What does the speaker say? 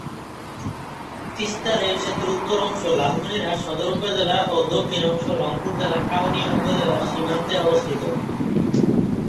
Teesta rail সেতুর উত্তর অংশ লালমনিরহাট সদর উপজেলা ও দক্ষিণ অংশ রংপুর জেলার কাউনিয়া উপজেলার সীমান্তে অবস্থিত।